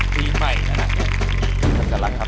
ปีใหม่นะครับ